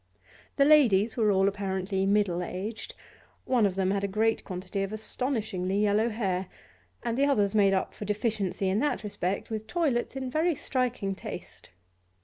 The ladies were all apparently middle aged; one of them had a great quantity of astonishingly yellow hair, and the others made up for deficiency in that respect with toilets in very striking taste.